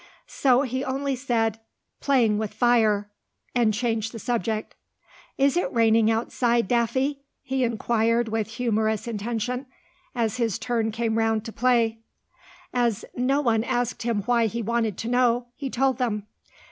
So he only said, "Playing with fire," and changed the subject. "Is it raining outside, Daffy?" he inquired with humorous intention, as his turn came round to play. As no one asked him why he wanted to know, he told them.